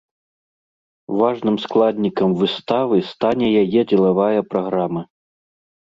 Важным складнікам выставы стане яе дзелавая праграма.